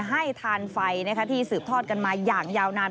ให้ทานไฟที่สืบทอดกันมาอย่างยาวนาน